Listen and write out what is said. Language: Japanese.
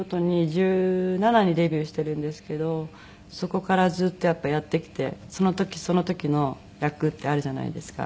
１７にデビューしてるんですけどそこからずっとやってきてその時その時の役ってあるじゃないですか。